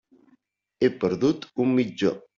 He perdut un mitjó.